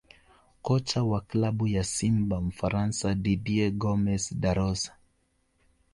Kocha wa klabu ya Simba Mfaransa Didier Gomes Da Rosa